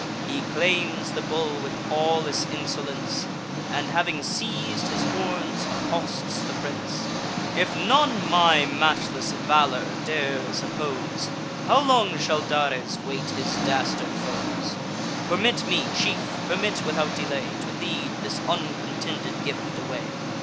He claims the bull with awless insolence, And having seiz'd his horns, accosts the prince: "If none my matchless valour dares oppose, How long shall Dares wait his dastard foes? Permit me, chief, permit without delay, To lead this uncontended gift away."